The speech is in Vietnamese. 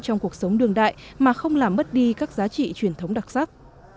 trong cuộc sống đương đại mà không làm mất đi các giá trị truyền thống đặc sắc